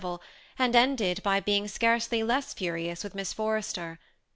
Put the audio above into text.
179 ville, and ended by being scarcely less furious with Miss Forrester.